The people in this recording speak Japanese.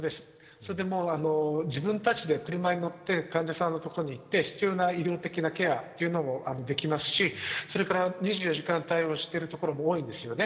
それで自分たちで車に乗って患者さんの所に行って、必要な医療的なケアというのもできますし、それから２４時間対応している所も多いんですよね。